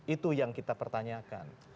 itu yang kita pertanyakan